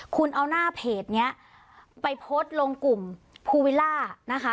คุณเอาหน้าเพจนี้ไปโพสต์ลงกลุ่มภูวิลล่านะคะ